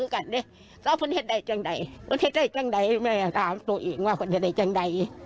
คนแท้ใดจังใดแม่ถามตัวเองว่าคนแท้ใดจังใด